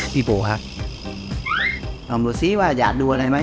พี่โปรคะลองดูซิว่าอยากดูอะไรมั้ย